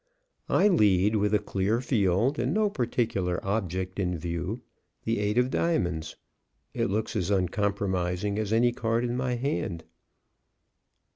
I lead, with a clear field and no particular object in view, the 8 of diamonds. It looks as uncompromising as any card in my hand.